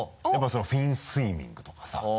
やっぱフィンスイミングとかさ。